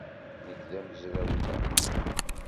Nekk d amezraw da.